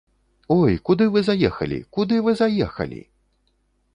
Ой, куды вы заехалі, куды вы заехалі?